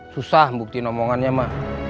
susah membukti nomongannya ma